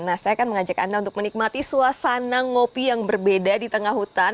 nah saya akan mengajak anda untuk menikmati suasana ngopi yang berbeda di tengah hutan